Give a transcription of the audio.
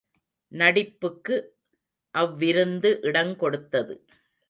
நடிப்புக்கு அவ்விருந்து இடங்கொடுத்தது.